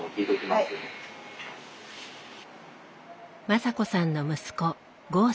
雅子さんの息子剛さん。